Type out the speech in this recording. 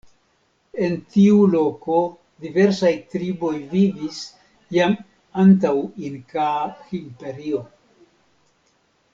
En tiu loko diversaj triboj vivis jam antaŭ Inkaa imperio.